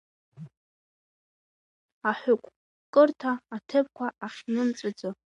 Аҳәыҳәкырҭа аҭыԥқәа ахьнымҵәаӡо.